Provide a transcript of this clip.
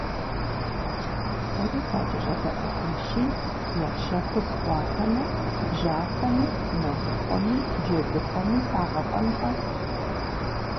Сэри сакӀэщӀэдэӀухьынщи, я щэхур сӀуатэмэ, бжьахъуэми, мэлыхъуэми, джэдыхъуэми сагъэфӀэнкъэ!